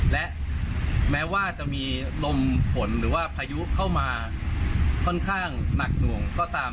และแม้ว่าจะมีลมฝนหรือว่าพายุเข้ามาค่อนข้างหนักหน่วงก็ตาม